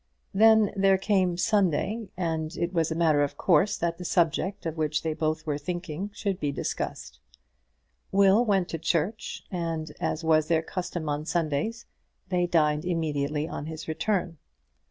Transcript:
Then there came a Sunday, and it was a matter of course that the subject of which they both were thinking should be discussed. Will went to church, and, as was their custom on Sundays, they dined immediately on his return.